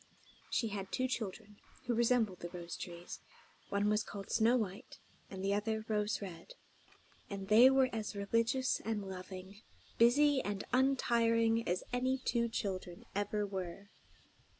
She had two children, who resembled the rose trees. One was called Snow White, and the other Rose Red; and they were as religious and loving, busy and untiring, as any two children ever were.